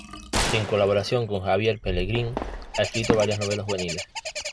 En colaboración con Javier Pelegrín, ha escrito varias novelas juveniles.